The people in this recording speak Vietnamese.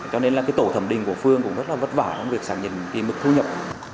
cho nên là tổ thẩm định của phương cũng rất là vất vả trong việc sản nhận mức thu nhập